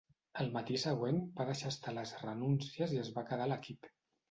Al matí següent, va deixar estar les renúncies i es va quedar a l'equip.